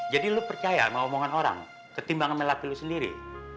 jadi lo percaya sama omongan orang ketimbang emel api lo sendiri